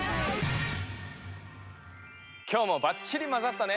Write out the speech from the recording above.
今日もばっちりまざったね。